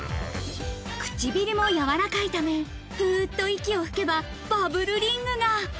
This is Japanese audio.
唇もやわらかいため、ふっと息をはけば、バブルリングが。